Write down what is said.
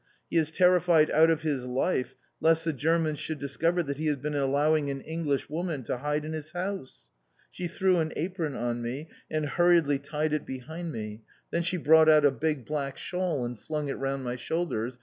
He is terrified out of his life lest the Germans should discover that he has been allowing an English woman to hide in his house!" She threw an apron on me, and hurriedly tied it behind me, then she brought out a big black shawl and flung it round my shoulders.